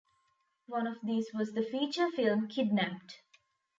One of these was the feature film "Kidnapped".